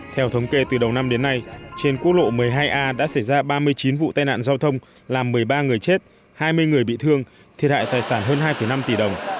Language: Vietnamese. theo thống kê từ đầu năm đến nay trên quốc lộ một mươi hai a đã xảy ra ba mươi chín vụ tai nạn giao thông làm một mươi ba người chết hai mươi người bị thương thiệt hại tài sản hơn hai năm tỷ đồng